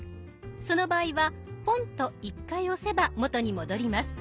その場合はポンと１回押せば元に戻ります。